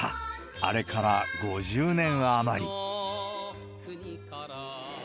あれから５０年余り。